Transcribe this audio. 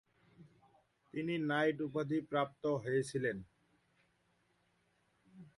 তিনি নাইট উপাধি প্রাপ্ত হয়েছিলেন।